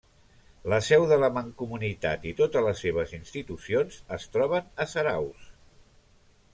La seu de la Mancomunitat i totes les seves institucions es troben a Zarautz.